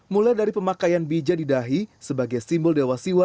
mulai dari pemakaian bija di dahi sebagai simbol dewasiwa